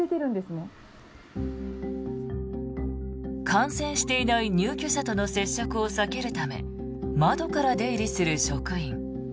感染していない入居者との接触を避けるため窓から出入りする職員。